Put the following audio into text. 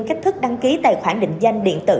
cách thức đăng ký tài khoản định danh điện tử